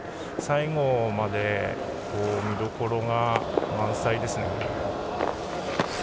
最後まで見どころが満載ですね。